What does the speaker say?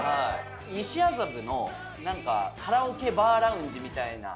西麻布のなんかカラオケバーラウンジみたいな。